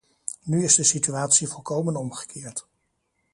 Nu is de situatie volkomen omgekeerd.